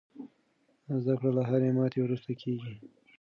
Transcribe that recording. زده کړه له هرې ماتې وروسته کېږي.